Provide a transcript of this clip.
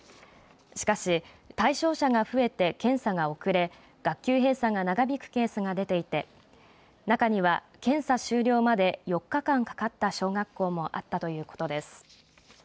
しかし、対象者が増えて検査が遅れ、学級閉鎖が長引くケースが出ていて中には、検査終了まで４日間かかった小学校もあったということです。